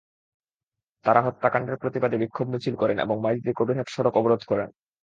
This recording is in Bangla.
তাঁরা হত্যাকাণ্ডের প্রতিবাদে বিক্ষোভ মিছিল করেন এবং মাইজদী-কবিরহাট সড়ক অবরোধ করেন।